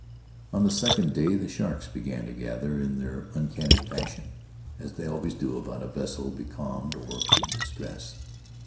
"On the second day the sharks began to gather in their uncanny fashion, as they always do about a vessel becalmed or in distress.